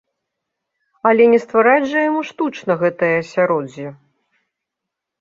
Але не ствараць жа яму штучна гэтае асяроддзе!